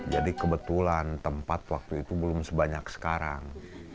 jadi kebetulan tempat waktu itu belum sebanyak sekarang